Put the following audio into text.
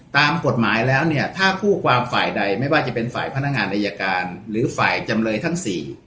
ตามกฎหมายแล้วเนี่ยถ้าคู่ความฝ่ายใดไม่ว่าจะเป็นฝ่ายพนักงานอายการหรือฝ่ายจำเลยทั้ง๔